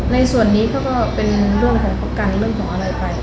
ในส่วนนี้ก็เป็นเรื่องของประกันเรื่องของอะไรไป